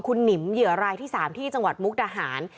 คุณหนิมเหยื่อรายที่๓ที่จังหวัดมุกดาหาร